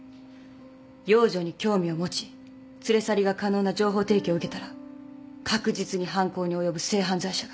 幼女に興味を持ち連れ去りが可能な情報提供を受けたら確実に犯行に及ぶ性犯罪者が。